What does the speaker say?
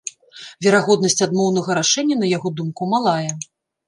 Верагоднасць адмоўнага рашэння, на яго думку, малая.